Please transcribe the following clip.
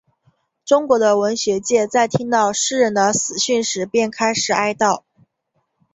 中国的文学界在听到诗人的死讯时便开始哀悼。